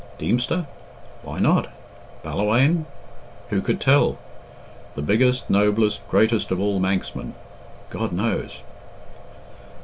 Deemster? Why not? Ballawhaine? Who could tell? The biggest, noblest, greatest of all Manxmen! God knows!